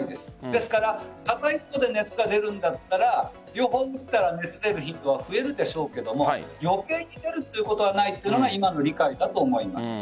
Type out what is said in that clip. ですから高い熱が出るんだったら両方打ったら熱が出る頻度は増えるでしょうが余計に出ることはないというのが今の理解だと思います。